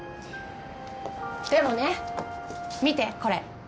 でもね見てこれ。